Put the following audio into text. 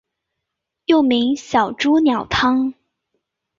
又名小朱鸟汤。